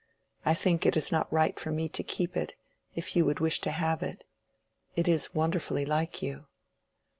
I think it is not right for me to keep it, if you would wish to have it. It is wonderfully like you."